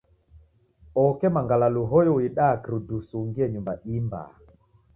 Oke mangalalu hoyo uidaa kirudusu ungie nyumba i mbaa.